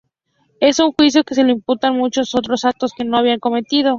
En su juicio se le imputaron muchos otros actos que no había cometido.